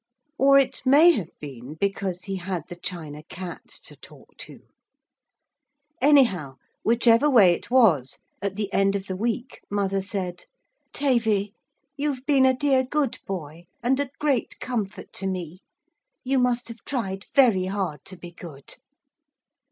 Or it may have been because he had the China Cat to talk to. Anyhow, whichever way it was, at the end of the week mother said: 'Tavy, you've been a dear good boy, and a great comfort to me. You must have tried very hard to be good.'